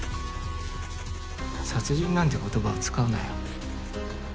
殺人なんて言葉を使うなよ。